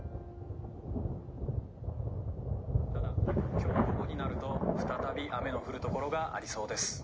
・「今日午後になると再び雨の降る所がありそうです。